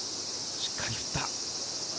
しっかり振った。